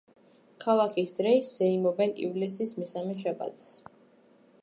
ქალაქის დრეს ზეიმობენ ივლისის მესამე შაბათს.